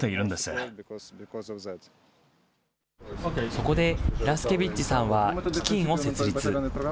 そこでヘラスケビッチさんは企業を設立。